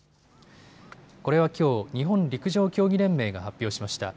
これはきょう日本陸上競技連盟が発表しました。